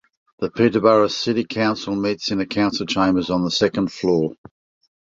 The Peterborough City Council meets in the Council Chambers on the second floor.